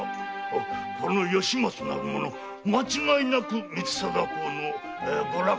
この吉松なる者間違いなく光貞公の御落胤。